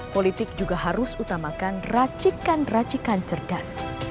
politik juga harus utamakan racikan racikan cerdas